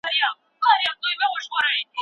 دې ماتې روسيې ته په نړۍ کي ستر مقام وباښه.